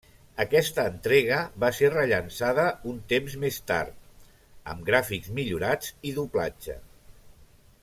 Aquesta entrega va ser rellançada un temps més tard, amb gràfics millorats i doblatge.